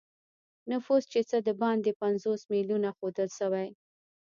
نفوس یې څه د باندې پنځوس میلیونه ښودل شوی.